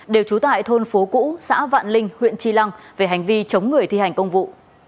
đều trú tại thôn phố cũ xã vạn linh huyện tri lăng về hành vi chống người thi hành công vụ